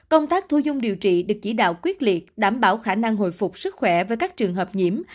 công tác thu dung điều trị được chỉ đạo quyết liệt đảm bảo khả năng hồi phục sức khỏe với các trường hợp nhiễm